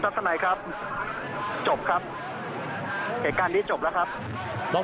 จบครับเหตุการณ์นี้จบแล้วครับ